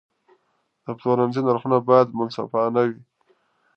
د پلورنځي نرخونه باید منصفانه وي.